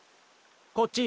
こっち。